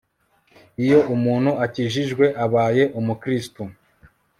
iyo umuntu akijijwe abaye umukristo